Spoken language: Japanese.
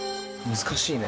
難しいね。